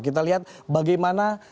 kita lihat bagaimana